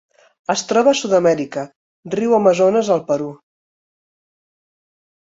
Es troba a Sud-amèrica: riu Amazones al Perú.